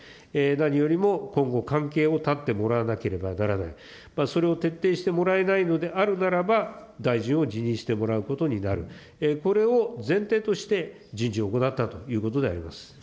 何よりも今後、関係を断ってもらわなければならない、それを徹底してもらえないのであるならば、大臣を辞任してもらうことになる、これを前提として、人事を行ったということであります。